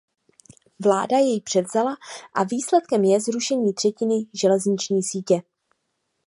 Vláda jej převzala a výsledkem je zrušení třetiny železniční sítě.